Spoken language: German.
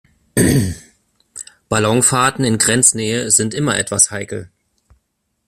Ballonfahrten in Grenznähe sind immer etwas heikel.